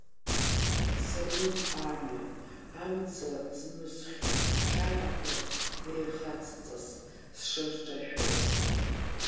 Сануп амҩа, амца знысхьоу, ахьаақәа еихацҵас сшырҿашәоз.